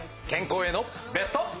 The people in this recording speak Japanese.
健康へのベスト。